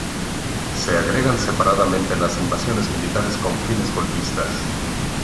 Se agregan separadamente las invasiones militares con fines golpistas.